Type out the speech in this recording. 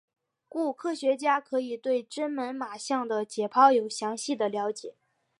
故科学家可以对真猛玛象的解剖有详细的了解。